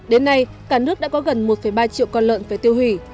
đến nay cả nước đã có gần một ba triệu con lợn phải tiêu hủy